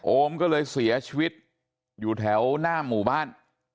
โอมก็เลยเสียชีวิตอยู่แถวหน้าหมู่บ้าน